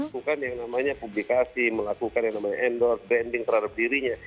bukan yang namanya publikasi melakukan yang namanya endorse branding terhadap dirinya